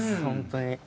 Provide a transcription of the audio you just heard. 本当に。